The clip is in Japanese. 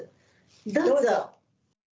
どうぞ。